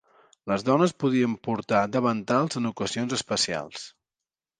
Les dones podien portar davantals en ocasions especials.